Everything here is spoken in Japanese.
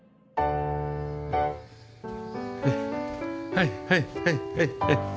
はいはいはいはいはい。